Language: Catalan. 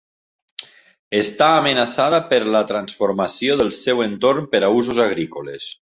Està amenaçada per la transformació del seu entorn per a usos agrícoles.